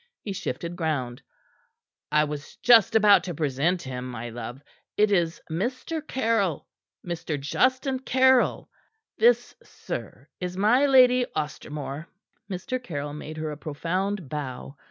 He shifted ground. "I was about to present him, my love. It is Mr. Caryll Mr. Justin Caryll. This, sir, is my Lady Ostermore." Mr. Caryll made her a profound bow.